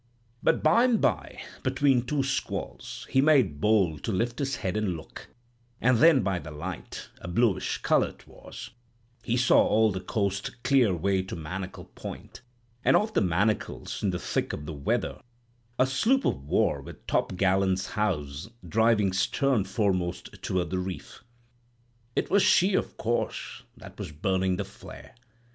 "But by'm by, between two squalls, he made bold to lift his head and look, and then by the light—a bluish color 'twas—he saw all the coast clear away to Manacle Point, and off the Manacles in the thick of the weather, a sloop of war with topgallants housed, driving stern foremost toward the reef. It was she, of course, that was burning the flare.